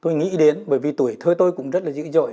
tôi nghĩ đến bởi vì tuổi thơ tôi cũng rất là dữ dội